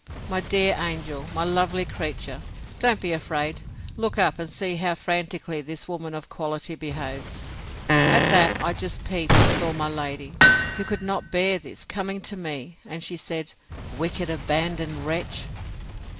—My dear angel, my lovely creature, don't be afraid; look up, and see how frantickly this woman of quality behaves. At that, I just peeped, and saw my lady, who could not bear this, coming to me; and she said, Wicked abandoned wretch!